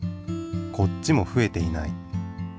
こっちもふえていない。